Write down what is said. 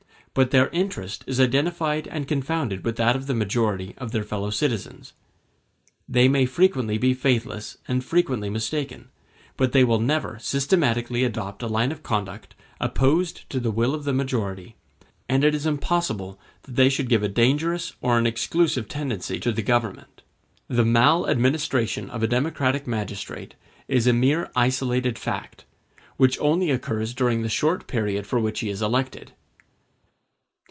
But their interest is identified and confounded with that of the majority of their fellow citizens. They may frequently be faithless and frequently mistaken, but they will never systematically adopt a line of conduct opposed to the will of the majority; and it is impossible that they should give a dangerous or an exclusive tendency to the government. The mal administration of a democratic magistrate is a mere isolated fact, which only occurs during the short period for which he is elected.